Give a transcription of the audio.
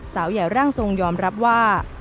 สาวใหญ่ร่างทรงยอมรับว่า